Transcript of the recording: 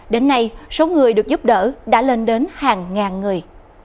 đến nay số người được giúp đỡ đã lên đến hàng ngàn người